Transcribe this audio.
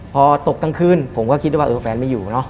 พอตกตั้งคืนผมก็คิดว่าเออแฟนไม่อยู่